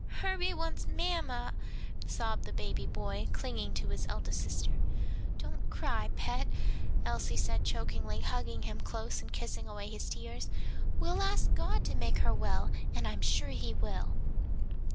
"Herbie wants mamma," sobbed the baby boy, clinging to his eldest sister. "Don't cry, pet," Elsie said chokingly, hugging him close and kissing away his tears. "We'll all ask God to make her well, and I'm sure he will."